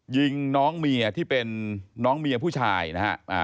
ยิงน้องเมียที่เป็นน้องเมียผู้ชายนะฮะ